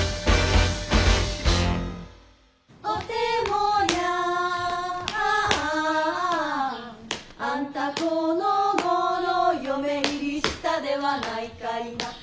「おてもやんあんた此頃嫁入りしたではないかいな」